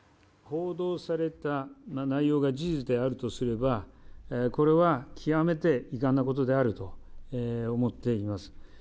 報道された内容が事実だとすればこれは極めて遺憾なことであると思っています。